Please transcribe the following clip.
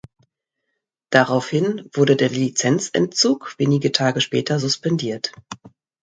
Daraufhin wurde der Lizenzentzug wenige Tage später suspendiert.